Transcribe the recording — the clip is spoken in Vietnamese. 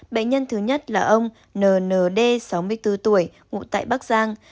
bệnh nhân thứ nhất là ông nd sáu mươi bốn tuổi ngụ tại bắc giang